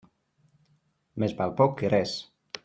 Més val poc que res.